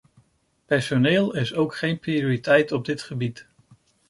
Personeel is ook geen prioriteit op dit gebied.